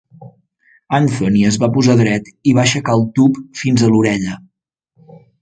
Anthony es va posar dret i va aixecar el tub fins a l'orella.